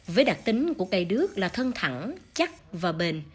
với đặc tính của cây đước là thân thẳng chắc và bền